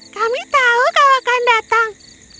kami tahu kalau akan datang